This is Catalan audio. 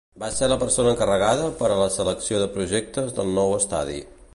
Va ser la persona encarregada per a la selecció de projectes del nou estadi.